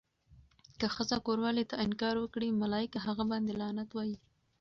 که ښځه کوروالې ته انکار وکړي، ملايکه هغه باندې لعنت وایی.